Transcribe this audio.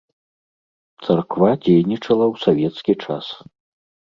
Царква дзейнічала ў савецкі час.